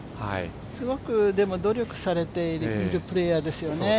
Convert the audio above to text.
すごく努力されているプレーヤーですよね。